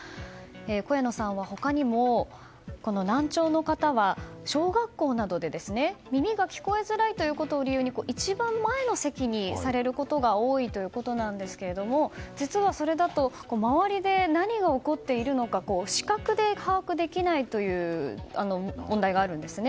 小谷野さんは他にも難聴の方は小学校などで、耳が聞こえづらいということを理由に一番前の席にされることが多いということですが実は、それだと周りで何が起こっているのか視覚で把握できないという問題があるんですね。